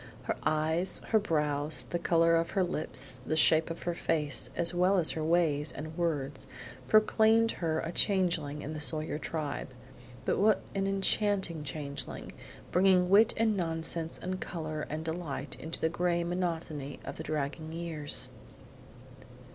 Her eyes, her brows, the color of her lips, the shape of her face, as well as her ways and words, proclaimed her a changeling in the Sawyer tribe; but what an enchanting changeling; bringing wit and nonsense and color and delight into the gray monotony of the dragging years!